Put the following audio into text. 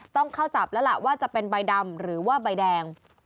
ต้องเข้าจับแล้วล่ะว่าจะเป็นใบดำหรือว่าใบแดง